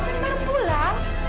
kamu baru pulang